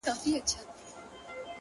دا څو وجوده ولې په يوه روح کي راگير دي،